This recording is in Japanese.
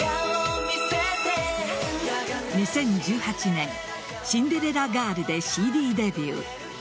２０１８年「シンデレラガール」でＣＤデビュー。